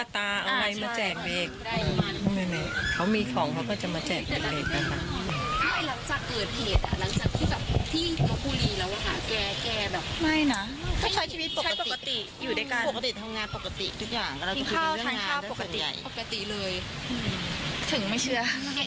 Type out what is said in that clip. ถึงไม่เชื่อ